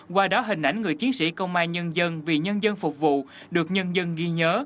qua đó hình ảnh người chiến sĩ công an nhân dân vì nhân dân phục vụ được nhân dân ghi nhớ